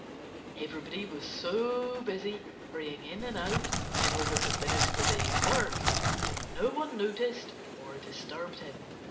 Everybody was so busy hurrying in and out in order to finish the day's work that no one noticed or disturbed him.